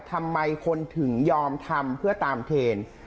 ทำไมคนถึงยอมทำเพื่อตามเคน